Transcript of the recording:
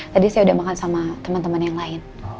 tadi saya udah makan sama temen temen yang lain